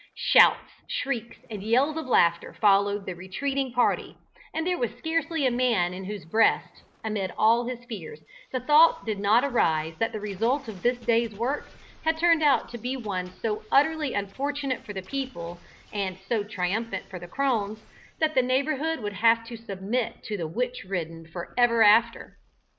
Shouts, shrieks and yells of laughter, followed the retreating party, and there was scarcely a man in whose breast, amid all his fears, the thought did not arise that the result of this day's work had turned out to be one so utterly unfortunate for the people, and so triumphant for the crones, that the neighbourhood would have to submit to be witch ridden for ever after.